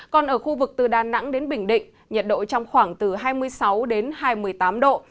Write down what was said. còn ở khu vực từ đà nẵng đến bình định nhiệt độ trong khoảng từ hai mươi sáu đến hai mươi tám độ